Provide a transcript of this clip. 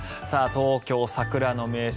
東京の桜の名所